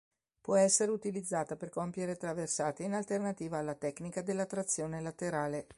Può essere utilizzata per compiere traversate in alternativa alla tecnica della trazione laterale.